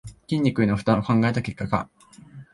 筋肉への負担を考えた結果か